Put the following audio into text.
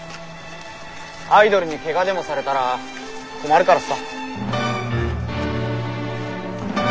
アイドルにけがでもされたら困るからさ。